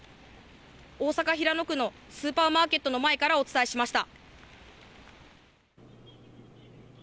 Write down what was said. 大阪・平野区のスーパーマーケットの前からお伝えしました。